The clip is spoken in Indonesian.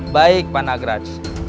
baik pak nagraj